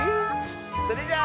それじゃあ。